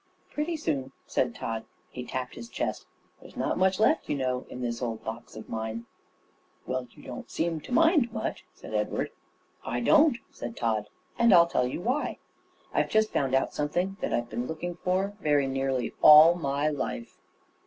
"Pretty soon," said Tod. He tapped his chest. "There's not much left, you know, in this old box of mine." "Well, you don't seem to mind much," said Edward. "I don't," said Tod, "and I'll tell you why. I've just found out something that I've been looking for very nearly all my life."